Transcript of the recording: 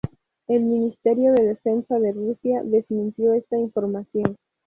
El Ministerio de Defensa de Rusia desmintió esta información.